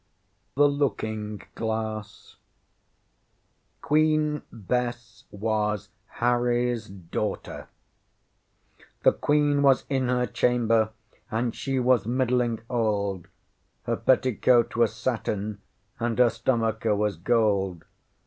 The Looking Glass Queen Bess Was HarryŌĆÖs daughter! The Queen was in her chamber, and she was middling old, Her petticoat was satin and her stomacher was gold.